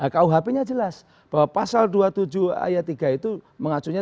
kuhp nya jelas bahwa pasal dua puluh tujuh ayat tiga itu mengacunya